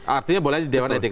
artinya boleh di dewan etik